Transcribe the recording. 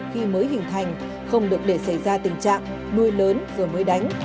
khi mới hình thành không được để xảy ra tình trạng nuôi lớn rồi mới đánh